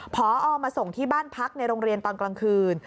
พอมาส่งที่บ้านพักในโรงเรียนตอนกลางคืน